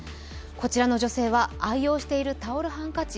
こちらの女性は愛用しているタオルハンカチ。